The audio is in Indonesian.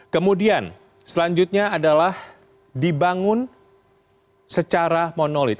kemudian selanjutnya adalah dibangun secara monolid